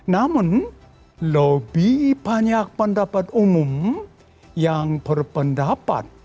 namun lebih banyak pendapat umum yang berpendapat